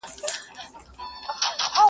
• انسان وجدان سره مخ کيږي تل..